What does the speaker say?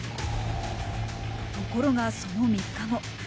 ところが、その３日後。